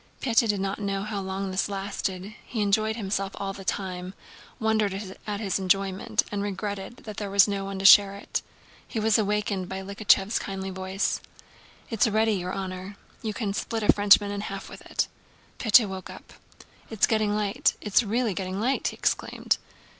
Pétya did not know how long this lasted: he enjoyed himself all the time, wondered at his enjoyment and regretted that there was no one to share it. He was awakened by Likhachëv's kindly voice. "It's ready, your honor; you can split a Frenchman in half with it!" Pétya woke up. "It's getting light, it's really getting light!" he exclaimed.